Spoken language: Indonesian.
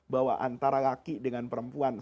bahwa antara laki dengan perempuan